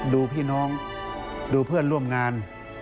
พี่น้องดูเพื่อนร่วมงาน